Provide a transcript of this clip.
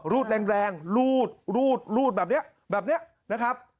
รูดแรงรูดรูดแบบนี้แบบนี้นะครับ